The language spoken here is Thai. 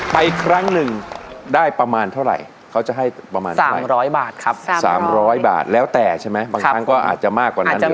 ครั้งหนึ่งได้ประมาณเท่าไหร่เขาจะให้ประมาณ๓๐๐บาทครับ๓๐๐บาทแล้วแต่ใช่ไหมบางครั้งก็อาจจะมากกว่านั้นเลย